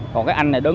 còn cái anh này đứng